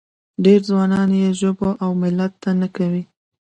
ډېر ځوانان یې ژبو او ملت ته نه کوي.